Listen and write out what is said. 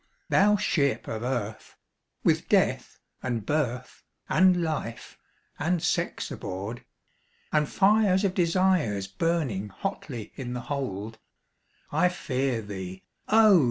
"Thou Ship of Earth, with Death, and Birth, and Life, and Sex aboard, And fires of Desires burning hotly in the hold, I fear thee, O!